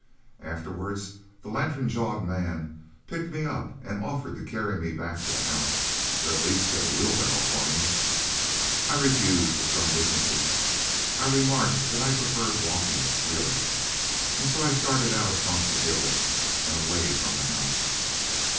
Afterwards the lantern jawed man picked me up and offered to carry me back to the house or at least get a wheelbarrow for me. I refused with some dignity. I remarked that I preferred walking, really, and so I started out across the hills and away from the house.